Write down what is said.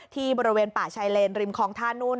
ที่บริเวณป่าชายเลนริมคลองท่านุ่น